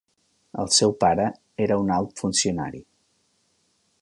El seu pare era un alt funcionari.